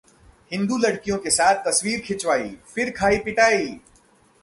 हिंदू लड़कियों के साथ तस्वीर खिंचवाई, फिर खाई पिटाई